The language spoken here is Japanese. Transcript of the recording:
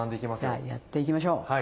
じゃあやっていきましょう。